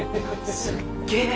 すっげー。